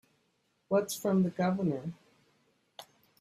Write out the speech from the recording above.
What's from the Governor?